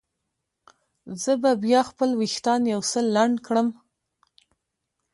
زه به بیا خپل وریښتان یو څه لنډ کړم.